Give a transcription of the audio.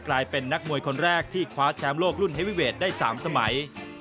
กลายเป็นนักมวยคนแรกที่คว้าแชมป์โลกรุ่นเฮวิเวทได้๓สมัย